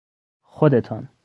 خودتان